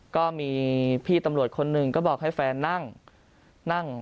ก็มีพี่ตำรวจคนหนึ่งก็บอกให้แฟนนั่งนั่ง